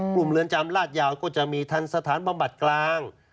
เรือนจำลาดยาวก็จะมีทันสถานบำบัดกลาง